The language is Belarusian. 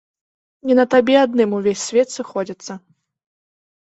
Не на табе адным увесь свет сыходзіцца.